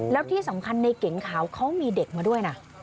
แล้วที่สำคัญในเก๋งขาวเขามีเด็กมาด้วยนะ